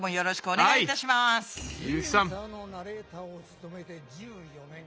「すイエんサー」のナレーターを務めて１４年。